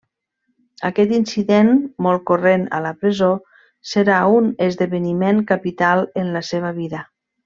Aquest incident, molt corrent a la presó, serà un esdeveniment capital en la seva vida.